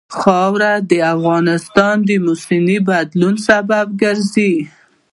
خاوره د افغانستان د موسم د بدلون سبب کېږي.